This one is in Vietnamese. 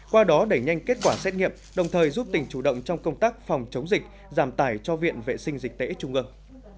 qua đó đẩy nhanh kết quả xét nghiệm đồng thời giúp tỉnh chủ động trong công tác phòng chống dịch giảm tải cho viện vệ sinh dịch tễ trung ương